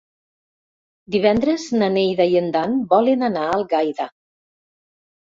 Divendres na Neida i en Dan volen anar a Algaida.